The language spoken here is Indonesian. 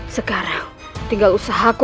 sekarang tinggal usahaku